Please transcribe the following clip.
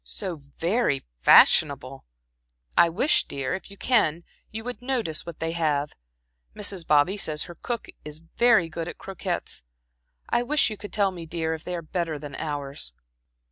"So very fashionable! I wish, dear, if you can, you would notice what they have. Mrs. Bobby says her cook is very good at croquettes. I wish you could tell me, dear, if they are better than ours."